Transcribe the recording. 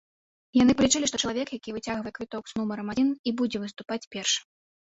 Яны палічылі, што чалавек, які выцягвае квіток з нумарам адзін і будзе выступаць першым.